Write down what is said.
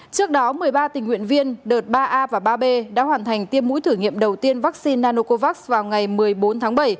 trước đó một mươi ba tình nguyện viên đợt ba a và ba b đã hoàn thành tiêm mũi thử nghiệm đầu tiên vaccine nanocovax vào ngày một mươi bốn tháng bảy